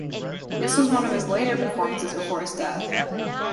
This was one of his later performances before his death.